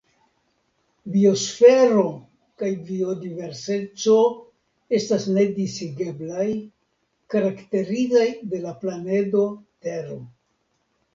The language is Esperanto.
Biosfero kaj biodiverseco estas ne disigeblaj, karakterizaj de la planedo Tero.